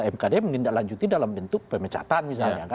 mkd menindaklanjuti dalam bentuk pemecatan misalnya